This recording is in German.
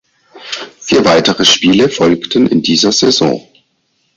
Vier weitere Spiele folgten in dieser Saison.